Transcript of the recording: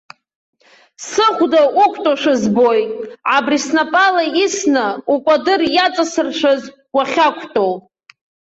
Сыхәда уқәтәоушәа збоит, абри, снапала исны, укәадыр иаҵасыршәыз уахьақәтәоу!